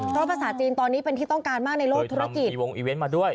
เพราะภาษาจีนตอนนี้เป็นที่ต้องการมากในโลกธุรกิจ